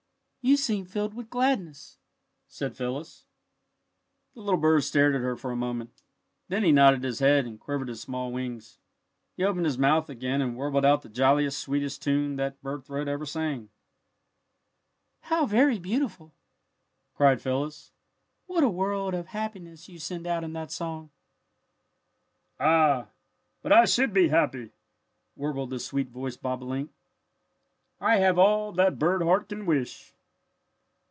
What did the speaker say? "You seem filled with gladness," said Phyllis. The little bird stared at her for a moment. Then he nodded his head, and quivered his small wings. He opened his mouth again and warbled out the jolliest, sweetest tune that bird throat ever sang. "How very beautiful!" cried Phyllis. "What a world of happiness you send out in that song!" "Ah, but I should be happy," warbled the sweet voiced bobolink. "I have all that bird heart can wish!"